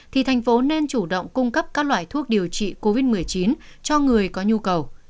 thì thành phố nên chủ động cung cấp các loại thuốc điều trị covid một mươi chín cho người có nhu cầu